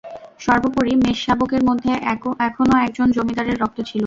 সর্বোপরি, মেষশাবকের মধ্যে এখনও একজন জমিদারের রক্ত ছিল।